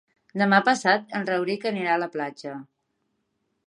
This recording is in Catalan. Demà passat en Rauric anirà a la platja.